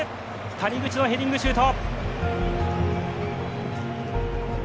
谷口のヘディングシュート。